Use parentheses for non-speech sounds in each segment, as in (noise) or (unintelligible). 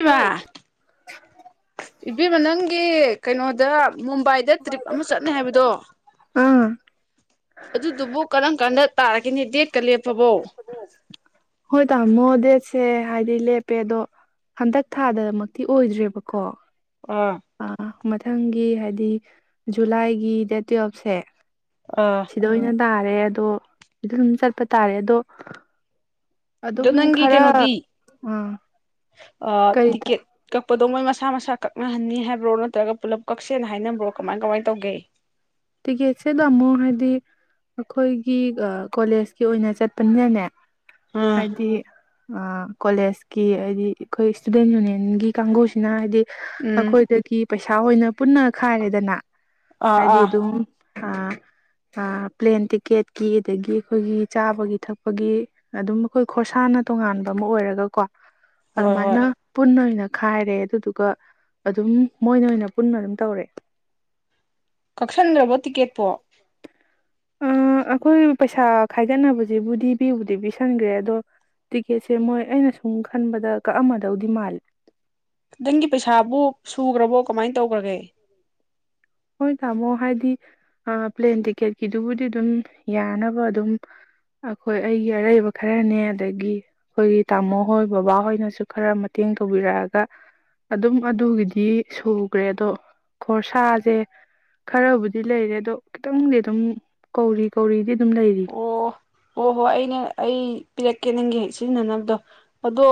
ꯏꯃꯥ ꯏꯕꯦꯝꯃ ꯅꯪꯒꯤ ꯀꯩꯅꯣꯗ ꯃꯨꯝꯕꯥꯏꯗ ꯇ꯭ꯔꯤꯞ ꯑꯃ ꯆꯠꯅꯤ ꯍꯥꯏꯕꯗꯣ ꯑꯥ ꯑꯗꯨꯗꯨꯕꯨ ꯀꯔꯝ ꯀꯥꯟꯗ ꯇꯥꯔꯒꯦꯅꯦ ꯗꯦꯠꯀ ꯂꯦꯞꯄꯕꯣ ꯍꯣꯏ ꯇꯥꯃꯣ ꯗꯦꯠꯁꯦ ꯍꯥꯏꯗꯤ ꯂꯦꯞꯄꯦ ꯑꯗꯣ ꯍꯟꯗꯛ ꯊꯥꯗꯃꯛꯇꯤ ꯑꯣꯏꯗ꯭ꯔꯦꯕꯀꯣ ꯑꯥ ꯃꯊꯪꯒꯤ ꯍꯥꯏꯗꯤ ꯖꯨꯂꯥꯏꯒꯤ ꯗꯦꯠ ꯇꯨꯋꯦꯞꯁꯦ ꯑꯥ ꯁꯤꯗ ꯑꯣꯏꯅ ꯇꯥꯔꯦ ꯑꯗꯣ ꯗꯨꯝ ꯆꯠꯄ ꯇꯥꯔꯦ ꯑꯗꯣ ꯑꯗꯣ ꯑꯗꯨꯝ ꯅꯪꯒꯤ ꯈꯔ ꯀꯩꯅꯣꯗꯤ ꯑꯥ ꯀꯔꯤ ꯇꯤꯀꯦꯠ ꯀꯛꯄꯗꯣ ꯃꯣꯏ ꯃꯁꯥ ꯃꯁꯥ ꯃꯁꯥ ꯀꯛꯅꯍꯟꯅꯤ ꯍꯥꯏꯕ꯭ꯔꯣ ꯅꯠꯇ꯭ꯔꯒ ꯄꯨꯂꯞ ꯀꯛꯁꯦꯅ ꯍꯥꯏꯅꯕ꯭ꯔꯣ ꯀꯃꯥꯏ ꯀꯃꯥꯏꯅ ꯇꯧꯒꯦ ꯇꯤꯛꯀꯦꯠꯁꯤꯗ ꯑꯃꯨꯛ ꯍꯥꯏꯗꯤ ꯑꯩꯈꯣꯏꯒꯤ ꯀꯣꯂꯦꯖꯀꯤ ꯑꯣꯏꯅ ꯆꯠꯄꯅꯤꯅꯅꯦ ꯑꯥ ꯍꯥꯏꯗꯤ ꯑꯥ ꯀꯣꯂꯦꯖꯀꯤ ꯍꯥꯏꯗꯤ ꯑꯩꯈꯣꯏ ꯁ꯭ꯇꯨꯗꯦꯟ ꯌꯨꯅꯤꯌꯟꯒꯤ ꯀꯥꯡꯕꯨꯁꯤꯅ ꯍꯥꯏꯗꯤ ꯎꯝ ꯑꯩꯈꯣꯏꯗꯒꯤ ꯄꯩꯁꯥ ꯑꯣꯏꯅ ꯄꯨꯟꯅ ꯈꯥꯏꯔꯦꯗꯅ ꯑꯥ ꯍꯥꯏꯗꯤ ꯑꯥ ꯄꯂꯦꯟ ꯇꯤꯛꯀꯦꯠꯀꯤ ꯑꯗꯒꯤ ꯑꯩꯈꯣꯏꯒꯤ ꯆꯥꯕꯒꯤ ꯊꯛꯄꯒꯤ ꯑꯗꯨꯝ ꯑꯩꯈꯣꯏ ꯈꯣꯔꯁꯥꯅ ꯇꯣꯉꯥꯟꯕ ꯑꯃ ꯑꯣꯏꯔꯒꯀꯣ ꯍꯣꯏ ꯍꯣꯏ ꯑꯗꯨꯃꯥꯏꯅ ꯄꯨꯟꯅ ꯑꯣꯏꯅ ꯈꯥꯏꯔꯦ ꯑꯗꯨꯗꯨꯒ ꯑꯗꯨꯝ ꯃꯣꯏꯅ ꯑꯣꯏꯅ ꯄꯨꯟꯅ ꯑꯗꯨꯝ ꯇꯧꯔꯦ ꯀꯛꯁꯟꯒ꯭ꯔꯕꯣ ꯇꯤꯛꯀꯦꯠꯄꯣ ꯑꯩꯈꯣꯏ ꯄꯩꯁꯥ ꯈꯥꯏꯒꯠꯅꯕꯁꯤꯕꯨꯗꯤ ꯄꯤꯕꯨꯗꯤ ꯄꯤꯁꯟꯈ꯭ꯔꯦ ꯑꯗꯣ ꯇꯤꯛꯀꯦꯠꯁꯦ ꯃꯣꯏ ꯑꯩꯅ ꯁꯨꯝ ꯈꯟꯕꯗ ꯀꯛ ꯑꯝꯃꯗꯧꯗꯤ ꯃꯥꯜꯂꯦ ꯅꯪꯒꯤ ꯄꯩꯁꯥꯕꯨ ꯁꯨꯈ꯭ꯔꯕꯣ ꯀꯃꯥꯏꯅ ꯇꯧꯒ꯭ꯔꯒꯦ ꯍꯣꯏ ꯇꯥꯃꯣ ꯍꯥꯏꯗꯤ ꯄ꯭ꯂꯦꯟ ꯇꯤꯛꯀꯦꯠꯀꯤꯗꯨꯕꯨꯗꯤ ꯑꯗꯨꯝ ꯌꯥꯅꯕ ꯑꯗꯨꯝ ꯑꯩꯈꯣꯏ ꯑꯩꯒꯤ ꯑꯔꯩꯕ ꯈꯔꯅꯦ ꯑꯗꯒꯤ ꯑꯩꯈꯣꯏꯒꯤ ꯇꯥꯃꯣ ꯍꯣꯏ ꯕꯕꯥꯍꯣꯏꯅꯁꯨ ꯈꯔ ꯃꯇꯦꯡ ꯇꯧꯕꯤꯔꯛꯑꯒ ꯑꯗꯨꯝ ꯑꯗꯨꯒꯤꯗꯤ ꯁꯨꯈ꯭ꯔꯦ ꯑꯗꯣ ꯈꯣꯔꯁꯥꯁꯦ ꯈꯔꯕꯨꯗꯤ ꯂꯩꯔꯦ ꯑꯗꯣ ꯈꯤꯇꯪꯗꯤ ꯑꯗꯨꯝ ꯀꯧꯔꯤ ꯀꯧꯔꯤꯗꯤ ꯑꯗꯨꯝ ꯂꯩꯔꯤ ꯑꯣ ꯍꯣꯏ ꯑꯩꯅ ꯑꯩ ꯄꯤꯔꯛꯀꯦ ꯅꯪꯒꯤ ꯁꯤꯖꯤꯟꯅꯅꯕꯗꯣ ꯑꯗꯣ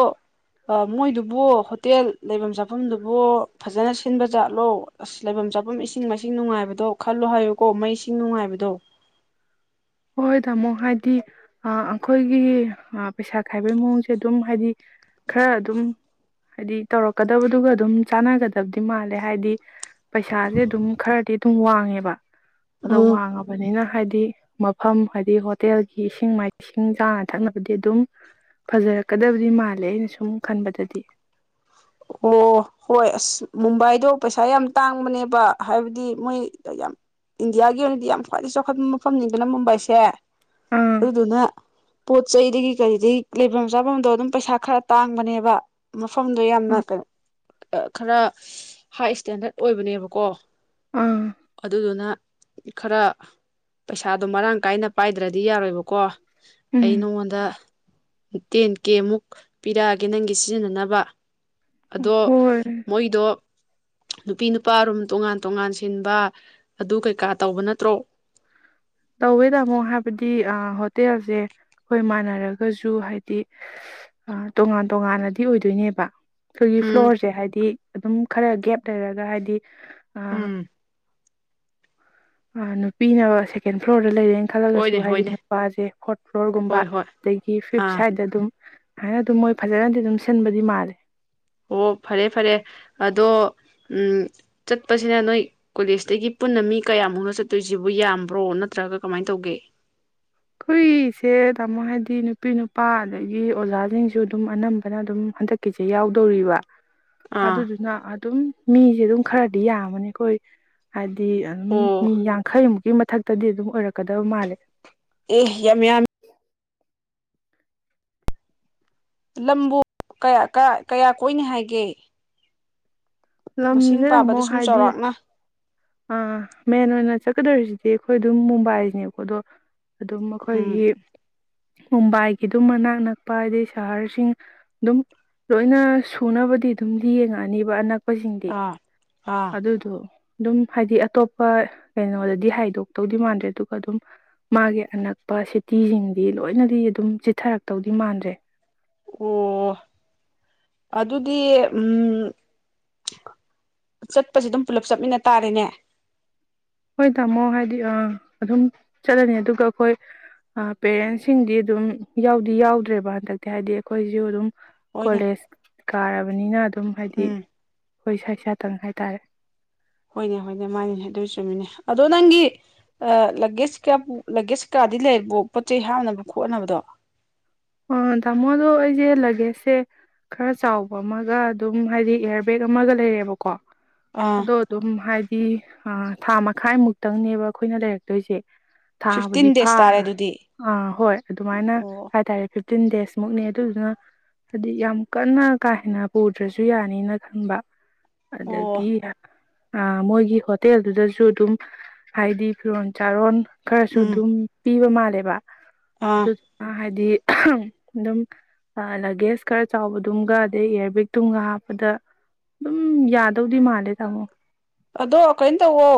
ꯃꯣꯏꯗꯨꯕꯨ ꯍꯣꯇꯦꯜ ꯂꯩꯐꯝ ꯆꯥꯐꯝꯗꯨꯕꯨ ꯐꯖꯅ ꯁꯤꯟꯕ ꯖꯥꯠꯂꯣ ꯑꯁ ꯂꯩꯐꯝ ꯆꯥꯐꯝ ꯏꯁꯤꯡ ꯃꯥꯏꯁꯤꯡ ꯅꯨꯡꯉꯥꯏꯕꯗꯣ ꯈꯜꯂꯣ ꯍꯥꯏꯌꯨꯀꯣ ꯃꯩꯁꯤꯡ ꯅꯨꯡꯉꯥꯏꯕꯗꯣ ꯍꯣꯏ ꯇꯥꯃꯣ ꯍꯥꯏꯗꯤ ꯑꯩꯈꯣꯏꯒꯤ ꯄꯩꯁꯥ ꯈꯥꯏꯕꯒꯤ ꯃꯑꯣꯡꯁꯦ ꯑꯗꯨꯝ ꯍꯥꯏꯗꯤ ꯈꯔ ꯑꯗꯨꯝ ꯍꯥꯏꯗꯤ ꯇꯧꯔꯛꯀꯗꯕꯗꯨꯒ ꯑꯗꯨꯝ ꯆꯥꯟꯅꯒꯗꯕꯗꯤ ꯃꯥꯜꯂꯦ ꯍꯥꯏꯗꯤ ꯄꯩꯁꯥꯁꯦ ꯑꯗꯨꯝ ꯈꯔꯗꯤ ꯑꯗꯨꯝ ꯋꯥꯡꯉꯦꯕ ꯑꯗꯣ ꯎꯝ ꯋꯥꯡꯉꯕꯅꯤꯅ ꯍꯥꯏꯗꯤ (inaudible) ꯃꯐꯝ ꯍꯥꯏꯗꯤ ꯍꯣꯇꯦꯜꯒꯤ ꯏꯁꯤꯡ ꯃꯥꯏꯁꯤꯡ ꯆꯥꯅ ꯊꯛꯅꯕꯗꯤ ꯑꯗꯨꯝ ꯐꯖꯔꯛꯀꯗꯕꯗꯤ ꯃꯥꯜꯂꯦ ꯑꯩꯅ ꯁꯨꯝ ꯈꯟꯕꯗꯗꯤ ꯑꯣ ꯍꯣꯏ ꯑꯁ ꯃꯨꯝꯕꯥꯏꯗꯣ ꯄꯩꯁꯥ ꯌꯥꯝ ꯇꯥꯡꯕꯅꯦꯕ ꯍꯥꯏꯕꯗꯤ ꯃꯣꯏ ꯌꯥꯝ ꯏꯟꯗꯤꯌꯥꯒꯤ ꯑꯣꯏꯅꯗꯤ ꯌꯥꯝ ꯈ꯭ꯋꯥꯏꯗꯒꯩ ꯆꯥꯎꯈꯠꯄ ꯃꯐꯝꯅꯤꯗꯅ ꯃꯨꯝꯕꯥꯏꯁꯦ ꯑꯥ ꯑꯗꯨꯗꯨꯅ ꯄꯣꯠ ꯆꯩꯗꯒꯤ ꯀꯔꯤꯗꯒꯤ ꯂꯩꯐꯝ ꯆꯥꯐꯝꯗꯣ ꯑꯗꯨꯝ ꯄꯩꯁꯥ ꯈꯔ ꯇꯥꯡꯕꯅꯦꯕ ꯃꯐꯝꯗꯣ ꯌꯥꯝꯅ ꯑꯥ ꯈꯔ ꯍꯥꯏ ꯏꯁꯇꯦꯟꯗꯔꯠ ꯑꯣꯏꯕꯅꯦꯕ ꯀꯣ ꯑꯥ ꯑꯗꯨꯗꯨꯅ ꯈꯔ ꯄꯩꯁꯥꯗꯣ ꯃꯔꯥꯡ ꯀꯥꯏꯅ ꯄꯥꯏꯗ꯭ꯔꯗꯤ ꯌꯥꯔꯣꯏꯕꯀꯣ ꯎꯝ ꯑꯩ ꯅꯉꯣꯟꯗ ꯇꯦꯟ ꯀꯦꯃꯨꯛ ꯄꯤꯔꯛꯑꯒꯦ ꯅꯪꯒꯤ ꯁꯤꯖꯤꯟꯅꯅꯕ ꯑꯗꯣ ꯍꯣꯏ ꯃꯣꯏꯗꯣ ꯅꯨꯄꯤ ꯅꯨꯄꯥ ꯔꯨꯝ ꯇꯣꯉꯥꯟ ꯇꯣꯉꯥꯟ ꯁꯤꯟꯕ ꯑꯗꯨ ꯀꯩꯀꯥ ꯇꯧꯕ ꯅꯠꯇ꯭ꯔꯣ ꯇꯧꯋꯦ ꯇꯥꯃꯣ ꯍꯥꯏꯕꯗꯤ ꯍꯣꯇꯦꯜꯁꯦ ꯑꯩꯈꯣꯏ ꯃꯥꯟꯅꯔꯒꯁꯨ ꯍꯥꯏꯗꯤ ꯇꯣꯉꯥꯟ ꯇꯣꯉꯥꯟꯅꯗꯤ ꯑꯣꯏꯗꯣꯏꯅꯦꯕ ꯑꯩꯈꯣꯏꯒꯤ ꯎꯝ ꯐ꯭ꯂꯣꯔꯁꯦ ꯍꯥꯏꯗꯤ ꯑꯗꯨꯝ ꯈꯔ ꯒꯦꯞ ꯂꯩꯔꯒ ꯍꯥꯏꯗꯤ ꯑꯥ ꯎꯝ ꯑ ꯅꯨꯄꯤꯅ ꯁꯦꯀꯦꯟ ꯐ꯭ꯂꯣꯔ ꯗ ꯂꯩꯔꯦꯅ ꯍꯣꯏꯅꯦ ꯈꯜꯂꯒꯁꯨ ꯍꯥꯏꯗꯤ ꯍꯣꯏꯅꯦ ꯅꯨꯄꯥꯁꯦ ꯐꯣꯔꯠ ꯐ꯭ꯂꯣꯔꯒꯨꯝꯕ ꯍꯣꯏ ꯍꯣꯏ ꯑꯗꯒꯤ ꯐꯤꯞ ꯑꯥ ꯁꯥꯏꯗ ꯑꯗꯨꯝ ꯍꯥꯏꯅ ꯑꯗꯨꯝ ꯃꯣꯏ ꯐꯖꯅꯗꯤ ꯑꯗꯨꯝ ꯁꯤꯟꯕꯗꯤ ꯃꯥꯜꯂꯦ ꯑꯣ ꯐꯔꯦ ꯐꯔꯦ ꯑꯗꯣ ꯎꯝ ꯆꯠꯄꯁꯤꯅ ꯅꯣꯏ ꯀꯣꯂꯦꯖꯇꯒꯤ ꯄꯨꯟꯅ ꯃꯤ ꯀꯌꯥꯃꯨꯛꯅ ꯆꯠꯇꯣꯏꯁꯤꯕꯨ ꯌꯥꯝꯕ꯭ꯔꯣ ꯅꯠꯇ꯭ꯔꯒ ꯀꯃꯥꯏꯅ ꯇꯧꯒꯦ ꯑꯩꯈꯏꯁꯦ ꯇꯥꯃꯣ ꯍꯥꯏꯗꯤ ꯅꯨꯄꯤ ꯅꯨꯄꯥ ꯑꯗꯒꯤ ꯑꯣꯖꯥꯁꯤꯡꯁꯨ ꯑꯗꯨꯝ ꯑꯅꯝꯕꯅ ꯑꯗꯨꯝ ꯍꯟꯗꯛꯀꯤꯁꯦ ꯌꯥꯎꯗꯧꯔꯤꯕ ꯑꯥ ꯑꯗꯨꯗꯨꯅ ꯑꯗꯨꯝ ꯃꯤ ꯁꯤ ꯑꯗꯨꯝ ꯈꯔꯗꯤ ꯌꯥꯝꯃꯅꯤ ꯑꯩꯈꯣꯏ ꯍꯥꯏꯗꯤ ꯍꯥꯏꯗꯤ ꯑꯗꯨꯝ ꯑꯣ ꯃꯤ ꯌꯥꯡꯈꯩꯃꯨꯛꯀꯤ ꯃꯊꯛꯇꯗꯤ ꯑꯗꯨꯝ ꯑꯣꯏꯔꯛꯀꯗꯕ ꯃꯥꯜꯂꯦ ꯑꯦ ꯌꯥꯝ ꯌꯥꯝꯃꯤ ꯂꯝꯕꯨ ꯀꯌꯥ ꯀꯌꯥ ꯀꯌꯥ ꯀꯣꯏꯅꯤ ꯍꯥꯏꯒꯦ ꯃꯁꯤꯡ ꯂꯝꯁꯦ ꯇꯝꯃꯣ ꯄꯥꯕꯗ ꯁꯨꯝ ꯍꯥꯏꯗꯤ ꯆꯥꯎꯔꯥꯛꯅ ꯑꯥ ꯃꯦꯟ ꯑꯣꯏꯅ ꯆꯠꯀꯗꯧꯔꯤꯁꯤꯗꯤ ꯑꯩꯈꯣꯏ ꯑꯗꯨꯝ ꯃꯨꯝꯕꯥꯏꯁꯤꯅꯦꯀꯣ ꯑꯗꯣ ꯑꯗꯨꯝ ꯎꯝ ꯃꯈꯣꯏꯒꯤ ꯃꯨꯝꯕꯥꯏꯒꯤ ꯑꯗꯨꯝ ꯃꯅꯥꯛ ꯅꯛꯄ ꯑꯗꯩ ꯁꯍꯔꯁꯤꯡ ꯑꯗꯨꯝ ꯂꯣꯏꯅ ꯁꯨꯅꯕꯗꯤ ꯑꯗꯨꯝ ꯌꯦꯡꯉꯛꯑꯅꯤꯕ ꯑꯅꯛ ꯈꯣꯏꯁꯤꯡꯗꯤ ꯑꯥ ꯑꯥ ꯑꯗꯨꯗꯣ ꯑꯗꯨꯝ ꯍꯥꯏꯗꯤ ꯑꯇꯣꯞꯄ ꯀꯩꯅꯣꯗꯗꯤ ꯍꯥꯏꯗꯣꯛꯇꯧꯗꯤ ꯃꯥꯟꯗ꯭ꯔꯦ ꯑꯗꯨꯒ ꯑꯗꯨꯝ ꯃꯥꯒꯤ ꯑꯅꯛꯄ ꯁꯤꯇꯤꯁꯤꯡꯗꯤ ꯂꯣꯏꯅꯗꯤ ꯑꯗꯨꯝ ꯆꯤꯊꯔꯛꯇꯧꯗꯤ ꯃꯥꯟꯗ꯭ꯔꯦ ꯑꯣ ꯑꯗꯨꯗꯤ ꯎꯝ ꯆꯠꯄꯁꯦ ꯑꯗꯨꯝ ꯄꯨꯂꯞ ꯆꯠꯃꯤꯟꯅ ꯇꯥꯔꯦꯅꯦ ꯍꯣꯏ ꯇꯥꯃꯣ ꯍꯥꯏꯗꯤ ꯑ ꯑꯗꯨꯝ ꯆꯠꯂꯅꯤ ꯑꯗꯨꯒ ꯑꯩꯈꯣꯏ ꯄꯦꯔꯦꯟꯁꯁꯤꯡꯗꯤ ꯑꯗꯨꯝ ꯌꯥꯎꯗꯤ ꯌꯥꯎꯗ꯭ꯔꯦꯕ ꯍꯟꯗꯛꯇꯤ ꯍꯥꯏꯗꯤ ꯑꯩꯈꯣꯏꯁꯨ ꯑꯗꯨꯝ ꯍꯣꯏꯅꯦ ꯀꯣꯂꯦꯖ ꯀꯥꯔꯕꯅꯤꯅ ꯑꯗꯨꯝ ꯍꯥꯏꯗꯤ ꯎꯝ ꯑꯩꯈꯣꯏ ꯏꯁꯥ ꯏꯁꯥꯇꯪ ꯍꯥꯏꯇꯥꯔꯦ ꯍꯣꯏꯅꯦ ꯍꯣꯏꯅꯦ ꯃꯥꯅꯤꯅꯦ ꯑꯗꯨꯏ ꯆꯨꯝꯃꯤꯅꯦ ꯑꯗꯣ ꯅꯪꯒꯤ ꯂꯒꯦꯖ ꯀ ꯂꯒꯦꯖ ꯀꯌꯥꯗꯤ ꯂꯩꯔꯕꯣ ꯄꯣꯠ ꯆꯩ ꯍꯥꯞꯅꯕ ꯈꯣꯠꯅꯕꯗꯣ ꯇꯥꯃꯣꯗꯣ ꯑꯩꯁꯦ ꯂꯒꯦꯖꯁꯦ ꯈꯔ ꯆꯥꯎꯕ ꯑꯃꯒ ꯑꯗꯨꯝ ꯍꯥꯏꯗꯤ ꯏꯌꯥꯔ ꯕꯦꯒ ꯑꯃꯒ ꯂꯩꯔꯦꯕꯀꯣ ꯑꯥ ꯑꯗꯣ ꯑꯗꯨꯝ ꯍꯥꯏ ꯏ ꯍꯥ ꯊꯥ ꯃꯈꯥꯏꯃꯨꯛꯇꯪꯅꯦꯕ ꯑꯩꯈꯣꯏꯅ ꯂꯩꯔꯛꯇꯣꯏꯁꯦ ꯊꯥꯕꯨꯗꯤ ꯐꯤꯐꯇꯤꯟ ꯗꯦꯖ ꯇꯥꯔꯦ ꯐꯥꯔꯣꯏ ꯑꯗꯨꯗꯤ ꯑꯥ ꯍꯣꯏ ꯑꯗꯨꯃꯥꯏꯅ ꯑꯣ ꯍꯥꯏꯇꯥꯔꯦ ꯐꯤꯞꯇꯤꯟ ꯗꯦꯖꯃꯨꯛꯅꯤ ꯑꯗꯨꯗꯨꯅ ꯍꯥꯏꯗꯤ ꯌꯥꯝ ꯀꯟꯅ ꯀꯥ ꯍꯦꯟꯅ ꯄꯨꯗ꯭ꯔꯁꯨ ꯌꯥꯅꯤꯅ ꯈꯟꯕ ꯑꯣ ꯑꯗꯒꯤ ꯑ ꯃꯣꯏꯒꯤ ꯍꯣꯇꯦꯜꯗꯨꯗꯁꯨ ꯑꯗꯨꯝ ꯍꯥꯏꯗꯤ ꯐꯤꯔꯣꯟ ꯆꯥꯔꯣꯟ ꯈꯔꯁꯨ ꯎꯝ ꯑꯗꯨꯝ ꯄꯤꯕ ꯃꯥꯜ ꯂꯩꯕ ꯑꯥ ꯑꯗꯨꯗꯨꯅ ꯍꯥꯏꯗꯤ ꯑꯥꯍꯥꯝ ꯑꯗꯨꯝ ꯂꯒꯦꯖ ꯈꯔ ꯆꯥꯎꯕꯗꯨꯝꯒ ꯑꯗꯩ ꯏꯌꯥꯔꯕꯛꯇꯨꯃꯒ ꯍꯥꯞꯄꯗ ꯑꯗꯨꯝ ꯌꯥꯗꯧꯗꯤ ꯃꯥꯜꯂꯦ ꯇꯥꯃꯣ ꯑꯗꯣ ꯀꯩꯅꯣ ꯇꯧꯋꯣ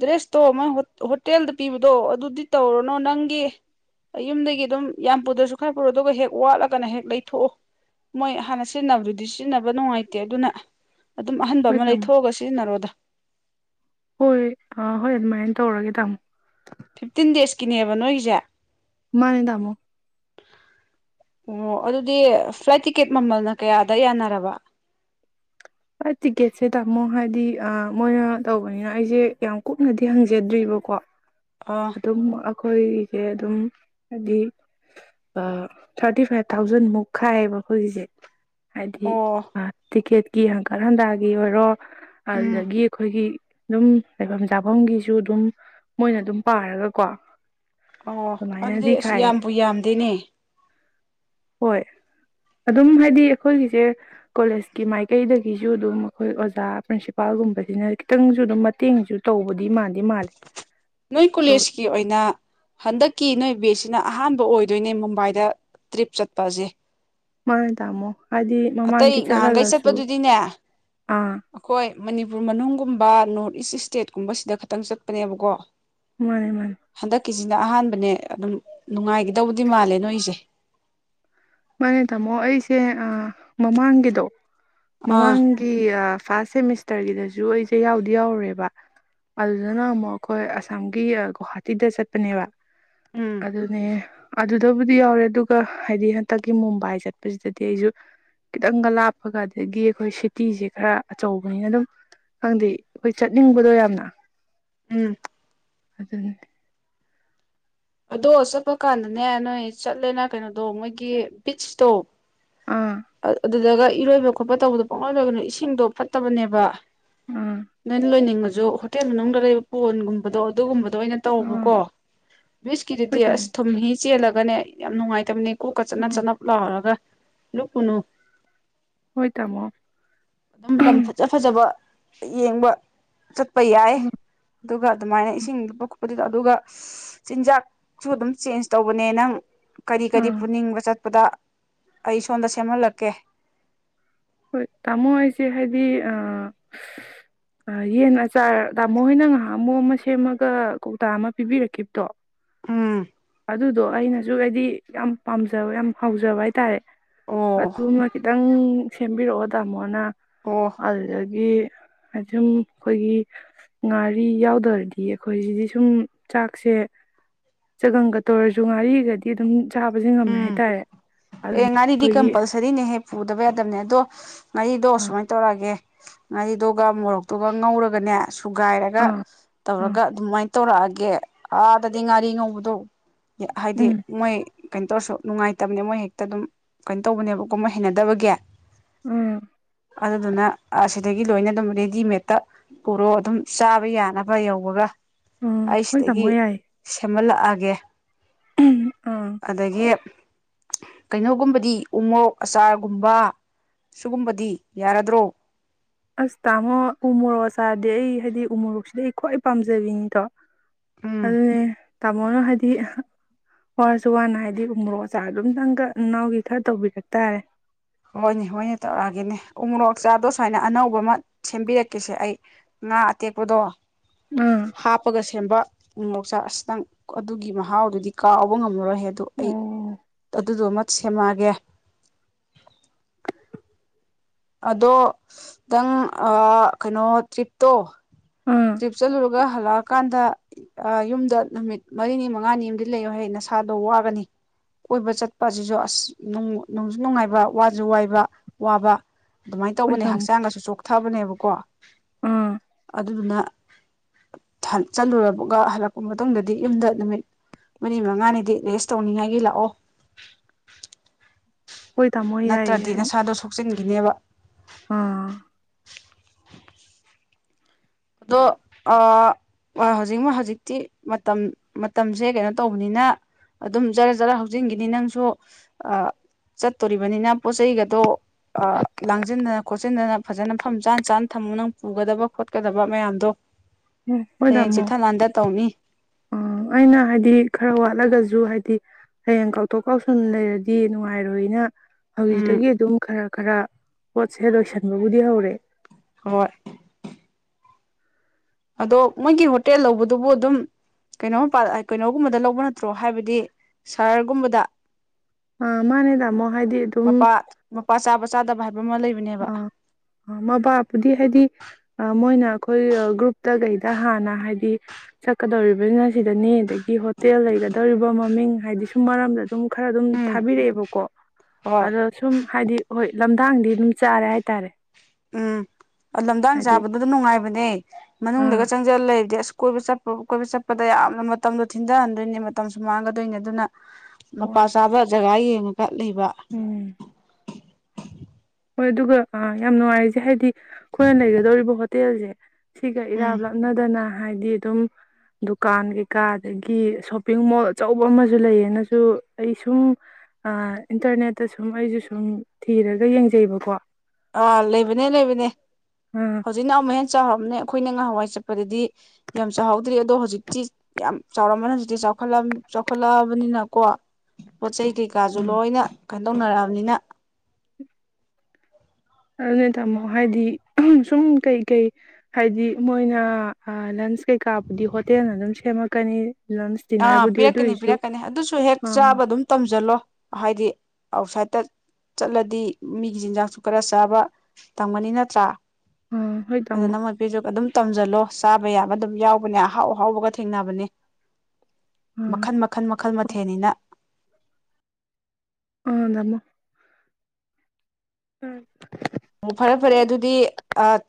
ꯗ꯭ꯔꯦꯁꯇꯣ ꯃꯣꯏ ꯍꯣꯇꯦꯜꯗ ꯄꯤꯕꯗꯣ ꯑꯗꯨꯗꯤ ꯇꯧꯔꯅꯨ ꯅꯪꯒꯤ ꯌꯨꯝꯗꯒꯤ ꯑꯗꯨꯝ ꯌꯥꯝ ꯄꯨꯗ꯭ꯔꯁꯨ ꯈꯔ ꯄꯨꯔꯣ ꯑꯗꯨꯒ ꯍꯦꯛ ꯋꯥꯠꯂꯒꯅ ꯍꯦꯛ ꯂꯩꯊꯣꯛꯑꯣ ꯃꯣꯏ ꯍꯥꯟꯅ ꯁꯤꯖꯤꯟꯅꯕꯗꯨꯗꯤ ꯁꯤꯖꯤꯟꯅꯕ ꯅꯨꯡꯉꯥꯏꯇꯦ ꯑꯗꯨꯅ ꯑꯗꯨꯝ ꯑꯍꯟꯕ ꯍꯣꯏ ꯑꯃ ꯇꯥꯃꯣ ꯂꯩꯊꯣꯛꯑꯒ ꯁꯤꯖꯤꯟꯅꯔꯣꯗ ꯍꯣꯏ ꯑꯥ ꯍꯣꯏ ꯑꯗꯨꯃꯥꯏ ꯇꯧꯔꯒꯦ ꯇꯥꯃꯣ ꯐꯤꯞꯇꯤꯟ ꯗꯦꯖꯀꯤꯅꯦꯕ ꯅꯣꯏꯒꯤꯁꯦ ꯃꯥꯅꯦ ꯇꯥꯃꯣ ꯑꯣ ꯑꯗꯨꯗꯤ ꯐ꯭ꯂꯥꯏꯠ ꯇꯤꯀꯦꯠ ꯃꯃꯜꯅ ꯀꯌꯥꯗ ꯌꯥꯅꯔꯕ ꯐ꯭ꯂꯥꯏꯠ ꯇꯤꯛꯀꯦꯠꯁꯦ ꯇꯥꯃꯣ ꯍꯥꯏꯗꯤ ꯃꯣꯏꯅ ꯇꯧꯕꯅꯤꯅ ꯑꯩꯁꯦ ꯌꯥꯝ ꯀꯨꯞꯅꯗꯤ ꯍꯪꯖꯗ꯭ꯔꯤꯕꯀꯣ ꯑꯥ ꯑꯗꯨꯝ ꯑꯩꯈꯣꯏꯒꯦ ꯑꯗꯨꯝ ꯍꯥꯏꯗꯤ ꯑꯥ ꯊꯥꯔꯇꯤꯐꯥꯏꯞ ꯊꯥꯎꯖꯟ ꯃꯨꯛ ꯈꯥꯏꯌꯦꯕ ꯑꯩꯈꯣꯏꯒꯤꯁꯦ ꯍꯥꯏꯗꯤ ꯑꯣ ꯑꯥ ꯇꯤꯀꯦꯠ ꯀꯤ ꯍꯪꯀꯠ ꯍꯟꯗꯥꯒꯤ ꯑꯣꯏꯔꯣ ꯎꯝ ꯑꯗꯨꯗꯒꯤ ꯑꯩꯈꯣꯏꯒꯤ ꯑꯗꯨꯝ ꯂꯩꯐꯝ ꯆꯥꯐꯝꯒꯤꯁꯨ ꯑꯗꯨꯝ ꯃꯣꯏꯅ ꯑꯗꯨꯝ ꯄꯥꯔꯒꯀꯣ ꯑꯣ ꯑꯗꯨꯗꯤ ꯑꯗꯨꯃꯥꯏꯅꯗꯤ ꯑꯁ ꯈꯥꯏꯌꯦ ꯌꯥꯝꯕꯨ ꯌꯥꯝꯗꯦꯅꯦ ꯍꯣꯏ ꯑꯗꯨꯝ ꯍꯥꯏꯗꯤ ꯑꯩꯈꯣꯏꯒꯤꯁꯦ ꯀꯣꯂꯦꯖꯀꯤ ꯃꯥꯏꯀꯩꯗꯒꯤꯁꯨ ꯑꯗꯨꯝ ꯑꯩꯈꯣꯏ ꯑꯣꯖꯥ ꯄ꯭ꯔꯤꯟꯁꯤꯄꯜꯒꯨꯝꯕꯩꯗꯤꯅ ꯈꯤꯇꯪꯁꯨ ꯑꯗꯨꯝ ꯃꯇꯦꯡꯁꯨ ꯇꯧꯕꯗꯤ ꯃꯥꯟꯗꯤ ꯃꯥꯜꯂꯦ ꯅꯣꯏ ꯑꯗꯣ ꯀꯣꯂꯦꯖꯀꯤ ꯑꯣꯏꯅ ꯍꯟꯗꯛꯀꯤ ꯅꯣꯏ ꯕꯦꯁꯁꯤꯅ ꯑꯍꯥꯟꯕ ꯑꯣꯏꯗꯣꯏꯅꯦ ꯃꯨꯝꯕꯥꯏꯗ ꯇ꯭ꯔꯤꯞ ꯆꯠꯄ ꯑꯁꯦ ꯃꯥꯅꯦ ꯇꯥꯃꯣ ꯍꯥꯏꯗꯤ ꯑꯇꯩ ꯃꯃꯥꯡꯗꯤ ꯉꯍꯥꯟꯒꯩ ꯆꯠꯂꯒꯁꯨ ꯆꯠꯄꯗꯨꯗꯤꯅꯦ ꯑꯥ ꯑꯩꯈꯣꯏ ꯃꯅꯤꯄꯨꯔ ꯃꯅꯨꯡꯒꯨꯝ ꯕꯥ ꯅꯣꯔꯠ ꯏꯁ ꯏꯁꯇꯦꯠꯀꯨꯝꯕꯁꯤꯗ ꯈꯇꯪ ꯆꯠꯄꯅꯦꯕꯀꯣ ꯃꯥꯅꯦ ꯃꯥꯅꯦ ꯀꯤꯖꯤꯅ ꯑꯍꯥꯟꯕꯅꯦ ꯑꯗꯨꯝ ꯅꯨꯡꯉꯥꯏꯒꯗꯧꯕꯗꯤ ꯃꯥꯜꯂꯦ ꯅꯣꯏꯁꯦ ꯃꯥꯅꯦ ꯇꯥꯃꯣ ꯑꯩꯁꯦ ꯑꯥ ꯃꯃꯥꯡꯒꯤꯗꯣ ꯑꯥ ꯃꯃꯥꯡꯒꯤ ꯑꯥ ꯐꯥꯔꯁ ꯁꯦꯃꯤꯁꯇꯔꯒꯤꯗꯁꯨ ꯑꯩꯁꯦ ꯌꯥꯎꯗꯤ ꯌꯥꯎꯔꯦꯕ ꯑꯗꯨꯗꯨꯅ ꯑꯃꯨꯛ ꯑꯩꯈꯣꯏ ꯑꯁꯥꯝꯒꯤ ꯒꯧꯍꯥꯇꯤꯗ ꯆꯠꯄꯅꯦꯕ ꯎꯝ ꯑꯗꯨꯅꯦ ꯑꯗꯨꯗꯕꯨꯗꯤ ꯌꯥꯎꯔꯦ ꯑꯗꯨꯒ ꯍꯥꯏꯗꯤ ꯍꯟ ꯍꯟꯇꯛꯀꯤ ꯃꯨꯝꯕꯥꯏ ꯆꯠꯄꯁꯤꯗꯗꯤ ꯑꯩꯁꯨ ꯈꯤꯇꯪꯒ ꯂꯥꯞꯄꯒ ꯑꯗꯒꯤ ꯑꯩꯈꯣꯏ ꯁꯤꯇꯤꯁꯦ ꯈꯔ ꯑꯆꯧꯕꯅꯤꯅ ꯑꯗꯨꯝ ꯈꯪꯗꯦ ꯑꯩꯈꯣꯏ ꯆꯠꯅꯤꯡꯕꯗꯣ ꯌꯥꯝꯅ ꯎꯝ ꯑꯗꯨꯅꯦ ꯑꯗꯣ ꯆꯠꯄ ꯀꯥꯟꯗꯅꯦ ꯅꯣꯏ ꯆꯠꯂꯦꯅ ꯀꯩꯅꯣꯗꯣ ꯃꯣꯏꯒꯤ ꯕꯤꯠꯆꯇꯣ ꯑꯥ ꯑ ꯑꯗꯨ ꯑꯗꯨꯗꯒ ꯏꯔꯣꯏꯕ ꯈꯣꯠꯄ ꯇꯧꯕꯗꯣ ꯄꯛꯂꯣꯏ ꯂꯣꯏꯒꯅꯨ ꯏꯁꯤꯡꯗꯣ ꯐꯠꯇꯕꯅꯦꯕ ꯑꯥ ꯅꯪ ꯂꯣꯏꯅꯤꯡ ꯉꯥ ꯖꯨ ꯍꯣꯇꯦꯜ ꯃꯅꯨꯡꯗ ꯂꯩꯕ ꯄꯣꯟꯒꯨꯝꯕꯗꯣ ꯑꯗꯨꯒꯨꯝꯕꯗ ꯑꯗꯨꯅ ꯑꯣꯏꯅ ꯑꯥ ꯇꯧꯑꯣꯕꯀꯣ ꯀꯤꯗꯗꯤ ꯍꯣꯏ ꯇꯥꯃꯣ ꯑꯁ ꯊꯨꯝꯍꯤ ꯆꯦꯜꯂꯒꯅꯦ ꯌꯥꯝ ꯅꯨꯡꯉꯥꯏꯇꯕꯅꯤ ꯀꯣꯛꯀ ꯆꯠꯅꯞ ꯎꯝ ꯆꯅꯞ ꯂꯥꯎꯔꯒ ꯂꯨꯞ ꯀꯅꯨ ꯍꯣꯏ ꯇꯥꯃꯣ ꯑꯗꯨꯝ ꯂꯝ ꯐꯖ ꯐꯖꯕ ꯌꯦꯡꯕ ꯆꯠ ꯄ ꯌꯥꯏ ꯎꯝ ꯑꯗꯨꯒ ꯑꯗꯨꯃꯥꯏꯅ ꯏꯁꯤꯡ ꯂꯨꯞ ꯑꯗꯨꯗ ꯑꯗꯨꯒ ꯆꯤꯟꯖꯥꯛꯁꯨ ꯑꯗꯨꯝ ꯆꯦꯟꯖ ꯇꯧꯕꯅꯦ ꯅꯪ ꯀꯔꯤ ꯀꯔꯤ ꯑꯥ ꯄꯨꯅꯤꯡꯕ ꯆꯠ ꯑꯗ ꯑꯩ ꯁꯣꯝꯗ ꯁꯦꯝꯍꯜꯂꯛꯀꯦ ꯍꯣꯏ ꯇꯥꯃꯣ ꯑꯩꯁꯦ ꯍꯥꯏꯗꯤ ꯌꯦꯟ ꯑꯆꯥꯔ ꯇꯥꯃꯣ ꯍꯣꯏꯅ ꯉꯥꯡꯍꯥꯛꯃꯨꯛ ꯑꯃ ꯁꯦꯝꯃꯒ ꯀꯧꯇꯥ ꯑꯃ ꯄꯤꯕꯤꯔꯛꯈꯤꯕꯗꯣ ꯎꯝ ꯑꯗꯨ ꯑꯗꯣ ꯑꯩꯅꯁꯨ ꯍꯥꯏꯗꯤ ꯌꯥꯝ ꯄꯥꯝꯖꯕ ꯌꯥꯝ ꯍꯥꯎꯖꯕ ꯍꯥꯏꯇꯥꯔꯦ ꯑꯣ ꯑꯗꯨꯃ ꯈꯤꯇꯪ ꯁꯦꯝꯕꯤꯔꯛꯑꯣ ꯇꯥꯃꯣꯅ ꯑꯣ ꯑꯗꯨꯗꯒꯤ ꯑꯗꯨꯨꯝ ꯑꯩꯈꯣꯏꯒꯤ ꯉꯥꯔꯤ ꯌꯥꯎꯗ꯭ꯔꯗꯤ ꯑꯩꯈꯣꯏꯁꯤꯗꯤ ꯁꯨꯝ ꯆꯥꯛꯁꯦ ꯆꯒꯪꯒ ꯇ ꯑꯣꯏꯔꯁꯨ ꯉꯥꯔꯤꯒꯗꯤ ꯑꯗꯨꯝ ꯆꯥꯕꯁꯦ ꯉꯝꯃꯦ ꯍꯥꯏꯇꯥꯔꯦ ꯑꯗꯨꯅ ꯑꯦꯉꯔꯤꯗꯤ ꯑꯩꯈꯣꯏꯒꯤ ꯀꯝꯄꯜꯁꯔꯤꯅꯦ ꯄꯨꯗꯕ ꯌꯥꯗꯕꯅꯦ ꯑꯗꯣ ꯉꯥꯔꯤꯗꯣ ꯑꯥ ꯁꯨꯃꯥꯏ ꯇꯧꯔꯛꯑꯒꯦ ꯉꯥꯔꯤꯗꯣꯒ ꯃꯣꯔꯣꯛꯇꯨꯒ ꯉꯧꯔꯒꯅꯦ ꯁꯨꯒꯥꯏꯔꯒ ꯑꯥ ꯑꯥ ꯇꯧꯔꯒ ꯑꯗꯨꯃꯥꯏ ꯇꯧꯔꯛꯑꯒꯦ ꯑꯥꯗꯗꯤ ꯉꯥꯔꯤ ꯉꯧꯕꯗꯣ ꯍꯥꯏꯗꯤ ꯎꯝ ꯃꯣꯏ ꯀꯩꯅꯣ ꯇꯧꯔꯁꯨ ꯅꯨꯡꯉꯥꯏꯇꯝꯅꯦ ꯃꯣꯏ ꯍꯦꯛ ꯑꯗꯨꯝ ꯀꯩꯟ ꯇꯧꯕꯅꯦꯕꯀꯣ ꯃꯣꯏ ꯍꯩꯅꯗꯕꯒꯤ ꯎꯝ ꯑꯗꯨꯗꯨꯅ ꯑꯁꯤꯗꯒꯤ ꯂꯣꯏꯅ ꯑꯗꯨꯝ ꯔꯦꯗꯤꯃꯦꯠꯇ ꯄꯨꯔꯣ ꯑꯗꯨꯝ ꯆꯥꯕ ꯌꯥꯅꯕ ꯌꯧꯕꯒ ꯑꯥ ꯑꯩ ꯍꯣꯏ ꯁꯤꯗꯒꯤ ꯇꯥꯃꯣ ꯌꯥꯏ ꯁꯦꯝꯍꯜꯂꯛꯑ ꯌꯦ ꯑꯥ ꯑꯗꯒꯤ ꯀꯩꯅꯣꯒꯨꯝꯕꯗꯤ ꯎꯃꯣꯔꯣꯛ ꯑꯆꯥꯔꯒꯨꯝꯕ ꯁꯤꯒꯨꯝꯕꯗꯤ ꯌꯥꯔꯥꯗ꯭ꯔꯣ ꯑꯁ ꯇꯥꯃꯣ ꯎ ꯃꯣꯔꯣꯛ ꯆꯥꯔꯗꯤ ꯑꯩ ꯍꯥꯏꯗꯤ ꯎ ꯃꯣꯔꯣꯛꯁꯤꯗꯤ ꯑꯩ ꯈ꯭ꯋꯥꯏ ꯄꯥꯝꯖꯕꯤꯅꯤꯗꯣ ꯎꯝ ꯑꯗꯨꯅꯦ ꯇꯥꯃꯣꯅ ꯍꯥꯏꯗꯤ ꯋꯥꯔꯖꯨ ꯋꯥꯅ ꯍꯥꯏꯗꯤ ꯎꯃꯣꯔꯣꯛ ꯑꯆꯥꯔ ꯗꯨꯝꯇꯪꯒ ꯅꯅꯥꯎꯒꯤ ꯈꯔ ꯇꯧꯕꯤꯔꯛ ꯇꯥꯔꯦ ꯍꯣꯏꯅꯦ ꯍꯣꯏꯅꯦ ꯇꯧꯔꯛꯑꯒꯦꯅꯦ ꯎꯃꯣꯔꯣꯛ ꯆꯥꯔꯗꯣ ꯁꯨꯃꯥꯏꯅ ꯑꯅꯧꯕ ꯑꯃ ꯁꯦꯝꯕꯤꯔꯛꯀꯦꯁꯦ ꯑꯩ ꯉꯥ ꯑꯇꯦꯛꯄꯗꯣ ꯑꯥ ꯍꯥꯞꯄꯒ ꯁꯦꯝꯕ ꯌꯣꯛꯆꯥꯛ ꯑꯁ ꯇꯥꯡ ꯑꯗꯨꯒꯤ ꯃꯍꯥꯎꯗꯨꯗꯤ ꯀꯥꯎꯕ ꯉꯝꯃꯔꯣꯏ ꯌꯥꯗꯨ ꯑꯩ ꯑꯗꯨꯗꯨꯃ ꯁꯦꯝꯃꯛꯑꯒꯦ ꯑꯗꯣ ꯅꯪ ꯑ ꯀꯩꯅꯣ ꯇ꯭ꯔꯤꯞꯇꯣ ꯑꯥ ꯇ꯭ꯔꯤꯞ ꯆꯠꯂꯨꯔꯒ ꯍꯜꯂꯛꯑꯀꯥꯟꯗ ꯑꯥ ꯌꯨꯝꯗ ꯅꯨꯃꯤꯠ ꯃꯔꯤꯅꯤ ꯃꯉꯥꯅꯤ ꯑꯝꯗꯤ ꯂꯩꯌꯣ ꯍꯩ ꯅꯁꯥꯗꯣ ꯋꯥꯒꯅꯤ ꯀꯣꯏꯕ ꯆꯠꯄ ꯑꯁꯤꯁꯨ ꯑꯁ ꯅꯨ ꯅꯨꯡꯖꯨ ꯅꯨꯡꯉꯥꯏꯕ ꯋꯥꯁꯨ ꯋꯥꯏꯕ ꯋꯥꯕ ꯑꯗꯨꯃꯥꯏ ꯍꯣꯏ ꯇꯧꯕꯅꯦ ꯇꯥꯃꯣ ꯍꯛꯆꯥꯡꯒꯁꯨ ꯆꯣꯛꯊꯕꯅꯦꯕ ꯀꯣ ꯑꯥ ꯑꯗꯨꯗꯨꯅ ꯊ ꯆꯠꯂꯨꯔꯕꯒ ꯍꯜꯂꯛꯄ ꯃꯇꯨꯡꯗꯗꯤ ꯌꯨꯝꯗ ꯅꯨꯃꯤꯠ ꯃꯔꯤ ꯃꯉꯥꯅꯤꯗꯤ ꯔꯦꯁ ꯇꯧꯅꯤꯡꯉꯥꯏꯒꯤ ꯂꯥꯛꯑꯣ ꯍꯣꯏ ꯇꯥꯃꯣ ꯌꯥꯏꯌꯦ ꯍ ꯀꯤꯅꯦꯕ ꯑꯥ ꯑꯗꯣ ꯑꯥ ꯍꯧꯖꯤꯛꯃꯛ ꯍꯧꯖꯤꯛꯇꯤ ꯃꯇꯝ ꯃꯇꯝꯁꯦ ꯀꯩꯅꯣ ꯇꯧꯕꯅꯤꯅ ꯑꯗꯨꯝ ꯖꯔ ꯖꯔ ꯍꯧꯖꯤꯟꯒꯤꯅꯤ ꯅꯪꯁꯨ ꯑꯥ ꯆꯠꯇꯣꯔꯤꯕꯅꯤꯅ ꯄꯣꯠ ꯆꯩꯩꯒꯗꯣ ꯑꯥ ꯂꯥꯡꯖꯤꯟꯗꯅ ꯈꯣꯠꯆꯤꯟꯗꯅ ꯐꯖꯅ ꯐꯝ ꯆꯥ ꯆꯥꯅ ꯊꯝꯃꯨ ꯅꯪ ꯄꯨꯒꯗꯕ ꯈꯣꯠꯀꯗꯕ ꯕ ꯃꯌꯥꯝꯗꯣ ꯎ ꯍꯣꯏ ꯍꯌꯦꯡ ꯇꯝꯃꯣ ꯆꯤꯊ ꯂꯥꯟꯗ ꯇꯧꯅꯤ ꯑꯥ ꯑꯩꯅ ꯍꯥꯏꯗꯤ ꯈꯔ ꯋꯥꯠꯂꯒꯁꯨ ꯍꯥꯏ ꯗꯤ ꯍꯌꯦꯡ ꯀꯥꯎꯊꯣꯛ ꯀꯥꯎꯁꯟ ꯂꯩꯔꯗꯤ ꯅꯨꯡꯉꯥꯏꯔꯣꯏꯅ ꯎꯝ ꯍꯧꯖꯤꯛꯇꯒꯤ ꯑꯗꯨꯝ ꯈꯔ ꯈꯔ ꯄꯣꯠꯁꯦ ꯂꯣꯏꯁꯟꯗꯕꯨꯗꯤ ꯍꯧꯔꯦ ꯍꯣꯏ ꯑꯗꯣ ꯃꯣꯏꯒꯤ ꯍꯣꯇꯦꯜ ꯂꯧꯕꯗꯨꯕꯨ ꯑꯗꯨꯝ ꯀꯩꯅꯣ ꯀꯩꯅꯣꯒꯨꯝꯕꯗ ꯂꯧꯕ ꯅꯠꯇ꯭ꯔꯣ ꯍꯥꯏꯕꯗꯤ ꯁꯍꯔꯒꯨꯝꯕꯗ ꯑ ꯃꯥꯅꯦ ꯇꯥꯃꯣ ꯍꯥꯏꯗꯤ ꯑꯗꯨꯝ ꯃꯄꯥ ꯃꯄꯥ ꯆꯥꯕ ꯆꯥꯗꯕ ꯍꯥꯏꯕ ꯑꯃ ꯂꯩꯕꯅꯦꯕ ꯑꯥ ꯑ ꯃꯄꯥꯕꯨꯗꯤ ꯍꯥꯏꯗꯤ ꯑ ꯃꯣꯏꯅ ꯑꯩꯈꯣꯏ ꯒ꯭ꯔꯨꯞꯇ ꯀꯩꯗ ꯍꯥꯟꯅ ꯍꯥꯏꯗꯤ ꯆꯠꯀꯗꯧꯔꯤꯕꯅꯤꯅ ꯁꯤꯗꯅꯤ ꯑꯗꯒꯤ ꯍꯣꯇꯦꯜ ꯂꯩꯒꯗꯧꯔꯤꯕ ꯃꯃꯤꯡ ꯍꯥꯏꯗꯤ ꯁꯨꯝ ꯃꯔꯝꯗ ꯑꯗꯨꯝ ꯈꯔ ꯑꯗꯨꯝ ꯎꯝ ꯊꯥꯕꯤꯔꯛꯑꯦꯕꯀꯣ ꯍꯣꯏ ꯑꯗꯣ ꯁꯨꯝ ꯍꯥꯏꯗꯤ ꯍꯣꯏ ꯂꯝꯗꯥꯡꯗꯤ ꯑꯗꯨꯝ ꯆꯥꯔꯦ ꯍꯥꯏꯇꯥꯔꯦ ꯎꯝ ꯂꯝꯗꯥꯡ ꯍꯥꯏꯗꯤ ꯆꯥꯕꯗꯗ ꯅꯨꯡꯉꯥꯏꯕ ꯕꯅꯦ ꯃꯅꯨꯡꯗꯒ ꯑꯥ ꯆꯪꯖꯜꯂ ꯂꯩꯔꯗꯤ ꯑꯁ ꯀꯣꯏꯕ ꯆꯠꯄ ꯀꯣꯏꯕ ꯆꯠꯄꯗ ꯌꯥꯝꯅ ꯃꯇꯝꯗꯣ ꯊꯤꯟꯊꯍꯟꯗꯣꯏꯅꯦ ꯃꯇꯝꯁꯨ ꯃꯥꯡꯒꯗꯣꯏꯅꯤ ꯑꯗꯨꯅ ꯃꯄꯥ ꯍꯣꯏ ꯆꯥꯕ ꯖꯒ ꯌꯦꯡ ꯎꯝ (inaudible) ꯍꯣꯏ ꯑꯗꯨꯒ ꯑ ꯌꯥꯝ ꯅꯨꯡꯉꯥꯏꯔꯔꯤꯁꯦ ꯍꯥꯏꯗꯤ ꯑꯩꯈꯣꯏꯅ ꯂꯩꯩꯒꯗꯧꯔꯤꯕ ꯍꯣꯇꯦꯜꯁꯦ ꯁꯤꯒ ꯎꯝ (unintelligible) ꯍꯥꯏꯗꯤ ꯑꯗꯨꯝ ꯗꯨꯀꯥꯟ ꯀꯩꯀꯥ ꯑꯗꯒꯤ ꯁꯣꯞꯄꯤꯡ ꯃꯣꯜ ꯑꯆꯧꯕ ꯑꯃꯁꯨ ꯂꯩꯌꯦꯅꯁꯨ ꯑꯩ ꯁꯨꯝ ꯏꯟꯇꯔꯅꯦꯠꯇ ꯁꯨꯝ ꯑꯩꯁꯨ ꯁꯨꯝ ꯊꯤꯔꯒ ꯌꯦꯡꯖꯩ ꯆꯩꯕꯀꯣ ꯑꯥ ꯂꯩꯕꯅꯦ ꯂꯩꯕꯅꯦ ꯑꯥ ꯍꯧꯖꯤꯛ (unintelligible) ꯆꯥꯎꯔꯝꯅꯦ ꯑꯩꯈꯣꯏꯅ ꯉꯍꯥꯟꯋꯥꯏ ꯆꯠꯄꯗꯗꯤ ꯌꯥꯝ ꯆꯥꯎꯍꯧꯗ꯭ꯔꯤ ꯑꯗꯣ ꯍꯧꯖꯤꯛꯇꯤ ꯌꯥꯝ ꯆꯥꯎꯔꯝꯕꯅ ꯍꯧꯖꯤꯛꯇꯤ ꯆꯥꯎ ꯆꯥꯎꯈꯠꯂꯛꯑꯕꯅꯤꯅꯀꯣ ꯄꯣꯠ ꯆꯩ ꯀꯩ ꯀꯥꯖꯨ ꯂꯣꯏꯅ ꯀꯥꯏꯗꯣꯛꯅꯔꯛꯑꯕꯅꯤꯅ ꯑꯗꯨꯅꯦ ꯇꯥꯃꯣ ꯍꯥꯏꯗꯤ ꯁꯨꯝ ꯀꯩꯀꯩ ꯍꯥꯏꯗꯤ ꯃꯣꯏꯅ ꯂꯟꯁ ꯀꯩꯀꯥꯕꯨꯗꯤ ꯍꯣꯇꯦꯜꯅ ꯑꯗꯨꯝ ꯁꯦꯝꯃꯛꯀꯅꯤ ꯂꯟꯁ ꯑꯥ ꯗꯤꯟꯅꯔꯕꯨꯗꯤ ꯄꯤꯔꯛꯀꯅꯤ ꯑꯗꯨꯏꯁꯨ ꯄꯤꯔꯛꯀꯅꯤ ꯑꯗꯨꯁꯨ ꯍꯦꯛ ꯑꯥ ꯆꯥꯕ ꯑꯗꯨꯝ ꯇꯝꯖꯜꯂꯣ ꯍꯥꯏꯗꯤ ꯑꯥꯎꯠꯁꯥꯏꯠꯇ ꯆꯠꯂꯗꯤ ꯃꯤꯒꯤ ꯆꯤꯟꯖꯥꯛꯁꯨ ꯈꯔ ꯆꯥꯕ ꯇꯝꯒꯅꯤ ꯅꯠꯇ꯭ꯔꯥ ꯑꯥ ꯍꯣꯏ ꯑꯗ ꯇꯥꯃꯣ ꯅꯃ ꯄꯤꯖꯣ ꯑꯗꯨꯝ ꯇꯝꯁꯤꯜꯂꯣ ꯆꯥꯕ ꯌꯥꯕ ꯑꯗꯨꯝ ꯌꯥꯎꯕꯅꯦ ꯑꯍꯥꯎ ꯑꯍꯥꯎꯕꯒ ꯊꯦꯡꯅꯕꯅꯦ ꯑꯥ ꯃꯈꯜ ꯃꯈꯜ ꯃꯈꯜ ꯃꯊꯦꯜꯅꯤꯅ ꯎꯝ ꯇꯥꯃꯣ ꯎꯝ ꯑꯣ ꯐꯔꯦ ꯐꯔꯦ ꯑꯗꯨꯗꯤ ꯑ